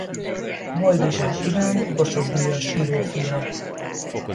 Boldizsár Iván Kossuth-díjas író fia.